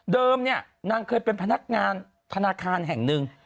เนี่ยนางเคยเป็นพนักงานธนาคารแห่งหนึ่ง